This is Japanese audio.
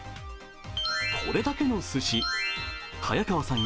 これだけのすし、早川さん